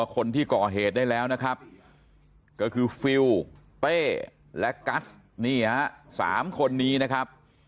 คนที่ก่อเหตุได้แล้วนะครับก็คือฟิลเป้และกัสนี่ฮะ๓คนนี้นะครับ